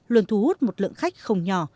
luôn thu hút một lượng khách không nhỏ